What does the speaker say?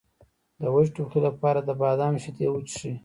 د وچ ټوخي لپاره د بادام شیدې وڅښئ